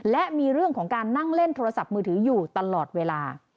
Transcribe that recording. และมีเรื่องของการนั่งเล่นโทรศัพท์มือถืออยู่ตลอดเวลา